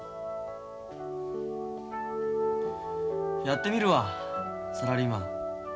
やってみるわサラリーマン。